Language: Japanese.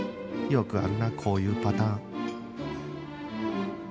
よくあるなこういうパターン